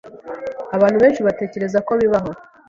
Abantu benshi batekereza ko bibaho